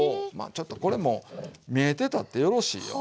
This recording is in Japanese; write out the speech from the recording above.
ちょっとこれも見えてたってよろしいよ。